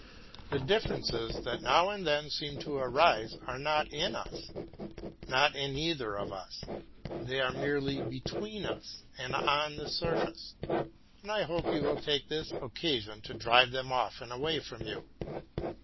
The differences that now and then seem to arise are not in us, not in either of us; they are merely between us and on the surface, and I hope you will take this occasion to drive them off and away from you.